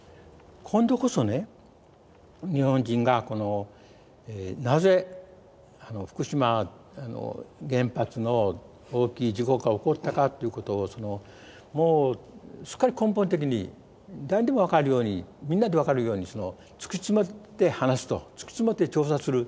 今度こそね日本人がこのなぜ福島原発の大きい事故が起こったかっていうことをもうすっかり根本的に誰にでも分かるようにみんなで分かるように突き詰めて話すと突き詰めて調査する。